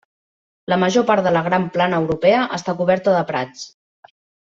La major part de la gran plana europea està coberta de prats.